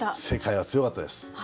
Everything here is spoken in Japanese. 世界は強かったです。